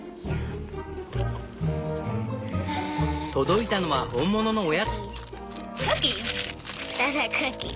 届いたのは本物のおやつ！